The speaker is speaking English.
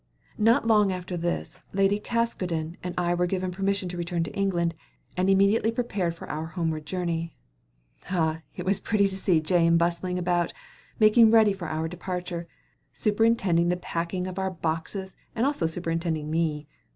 Not long after this Lady Caskoden and I were given permission to return to England, and immediately prepared for our homeward journey. Ah! it was pretty to see Jane bustling about, making ready for our departure superintending the packing of our boxes and also superintending me.